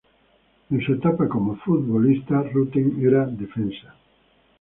En su etapa como futbolista, Rutten era defensa.